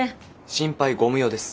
心配ご無用です。